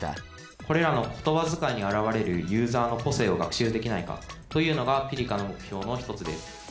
これらの言葉遣いに現れるユーザーの個性を学習できないかというのが「−ｐｉｒｋａ−」の目標の一つです。